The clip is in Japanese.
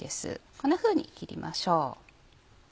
こんなふうに切りましょう。